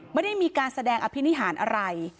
ไม่ได้มีการแสดงอภินิหารอะไร